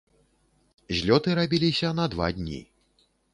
Злёты рабіліся на два дні.